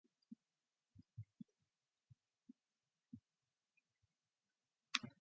Its success though launched O'Connor into a career as an off-beat radio interviewer.